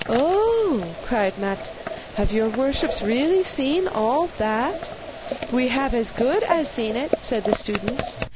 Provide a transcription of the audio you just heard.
'Oh!' cried Matte, 'have your worships really seen all that?' 'We have as good as seen it,' said the students.